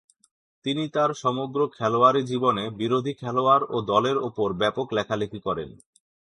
তিনি তাঁর সমগ্র খেলোয়াড়ী জীবনে বিরোধী খেলোয়াড় ও দলের উপর ব্যাপক লেখালেখি করেন।